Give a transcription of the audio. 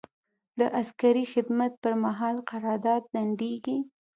د عسکري خدمت پر مهال قرارداد ځنډیږي.